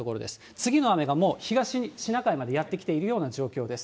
次の雨がもう、東シナ海までやって来ているような状況です。